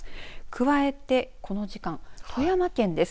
加えてこの時間、富山県です。